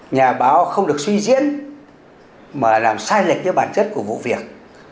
nhà báo không được suy diễn mà làm sai lệch cái bản chất của vụ việc